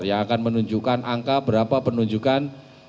yang akan menunjukkan angka berapa penunjukan